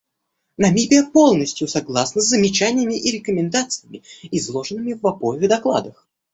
Намибия полностью согласна с замечаниями и рекомендациями, изложенными в обоих докладах.